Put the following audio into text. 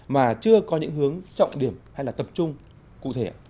mà chưa có những hướng trọng điểm hay là tập trung cụ thể